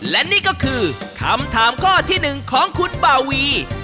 ละไอ้ขวดสามขวดนี่